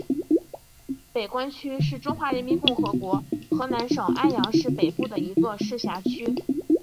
北关区是中华人民共和国河南省安阳市北部一个市辖区。